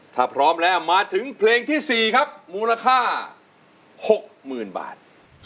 ถ้าพร้อมแล้วมาถึงเพลงที่๔ครับมูลค่า๖๐๐๐บาท